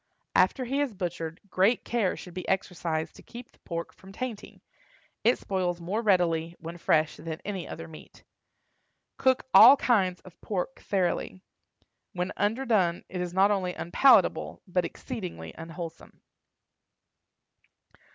After he is butchered, great care should be exercised to keep the pork from tainting; it spoils more readily, when fresh, than any other meat. Cook all kinds of pork thoroughly. When underdone it is not only unpalatable, but exceedingly unwholesome.